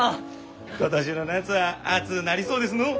今年の夏は暑うなりそうですのう。